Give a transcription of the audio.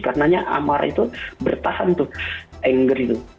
karena amarah itu bertahan tuh anger itu